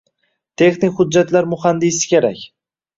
Texnik hujjatlar muhandisi kerak